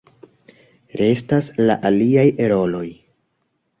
Restas la aliaj roloj.